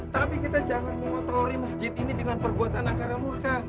tapi kita jangan mengotori masjid ini dengan perbuatan anggaran murka